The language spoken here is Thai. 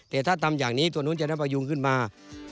แต่ถ้าทำอย่างนี้ตัวนู้นจะได้พยุงขึ้นมา